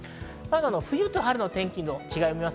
冬と春の天気の違いを見ます。